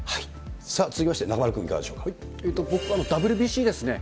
続きまして、中丸君、いかが僕はＷＢＣですね。